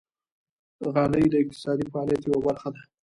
غالۍ د اقتصادي فعالیت یوه برخه ده.